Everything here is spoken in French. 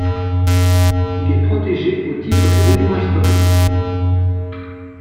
Il est protégé au titre des monuments historiques.